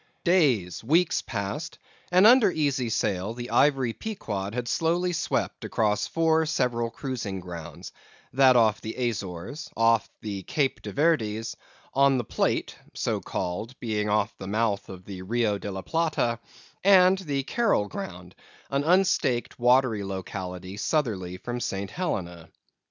Days, weeks passed, and under easy sail, the ivory Pequod had slowly swept across four several cruising grounds; that off the Azores; off the Cape de Verdes; on the Plate (so called), being off the mouth of the Rio de la Plata; and the Carrol Ground, an unstaked, watery locality, southerly from St. Helena.